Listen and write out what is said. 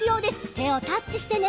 てをタッチしてね！